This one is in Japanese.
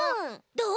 どう？